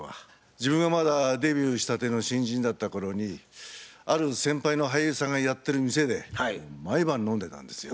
自分がまだデビューしたての新人だった頃にある先輩の俳優さんがやってる店で毎晩飲んでたんですよ。